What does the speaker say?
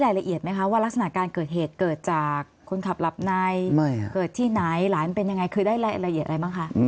ละเอียดไหมคะว่ารักษณะการเกิดเหตุเกิดจากคนขับหลับในเกิดที่ไหนหลานเป็นยังไงคือได้รายละเอียดอะไรบ้างคะ